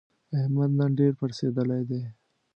احمد نن ډېر پړسېدلی دی.